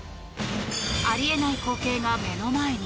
あり得ない光景が目の前に。